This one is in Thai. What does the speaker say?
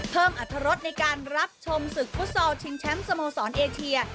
อัตรรสในการรับชมศึกฟุตซอลชิงแชมป์สโมสรเอเชีย